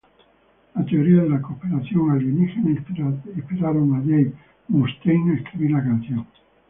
Las teorías de la conspiración alienígena inspiraron a Dave Mustaine a escribir la canción.